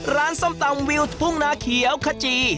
ส้มตำวิวทุ่งนาเขียวขจี